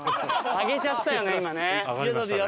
上げちゃったよね今ね。